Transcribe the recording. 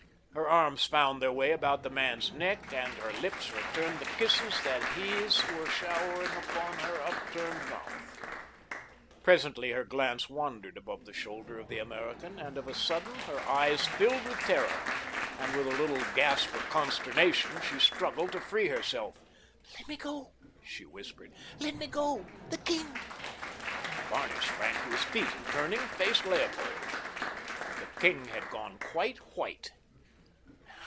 Her arms found their way about the man's neck, and her lips returned the kisses that his were showering upon her upturned mouth. Presently her glance wandered above the shoulder of the American, and of a sudden her eyes filled with terror, and, with a little gasp of consternation, she struggled to free herself. "Let me go!" she whispered. "Let me go—the king!" Barney sprang to his feet and, turning, faced Leopold. The king had gone quite white.